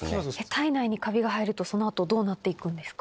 体内にカビが生えるとその後どうなっていくんですか？